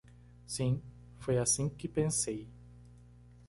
Sim, foi assim que pensei.